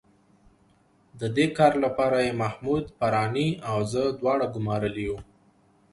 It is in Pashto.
د دې کار لپاره یې محمود فاراني او زه دواړه ګومارلي وو.